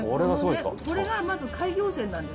これがまず開業線なんですね